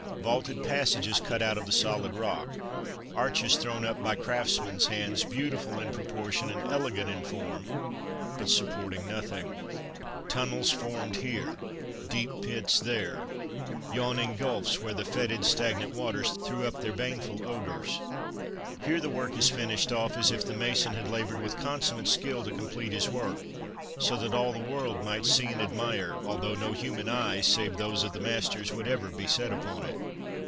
Vaulted passages cut out of the solid rock; arches thrown up by craftmen's hands, beautiful in proportion and elegant in form, but supporting nothing. Tunnels formed here deep pits there. Yawning gulfs, where the fetid, stagnant waters threw up their baneful odours. Here the work is finished off, as if the mason had laboured with consummate skill to complete his work, so that all the world might see and admire, although no human eyes, save those of the master's, would ever be set upon it.